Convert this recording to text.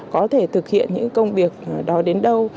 có thể thực hiện những công việc đó đến đâu